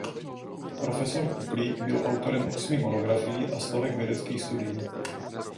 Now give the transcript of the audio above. Profesor Kuklík byl autorem osmi monografií a stovek vědeckých studií.